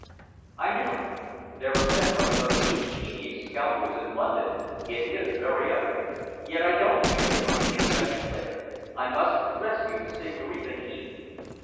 "I know. They're a set of the most ingenious scoundrels in London, it is very evident. Yet I don't fear them in the least," I declared. "I must rescue the Signorina Heath."